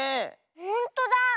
ほんとだ。